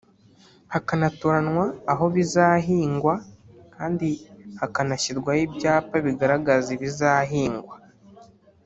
hakanatoranywa aho bizahingwa kandi hakanashyirwaho ibyapa bigaragaza ibizahingwa